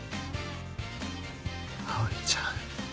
葵ちゃん。